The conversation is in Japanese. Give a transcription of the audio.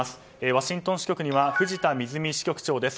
ワシントン支局には藤田支局長です。